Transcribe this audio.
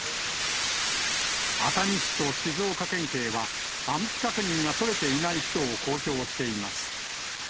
熱海市と静岡県警は、安否確認が取れていない人を公表しています。